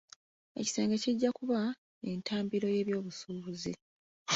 Ekisenge kijja kuba entabiro y'ebyobusuubuzi.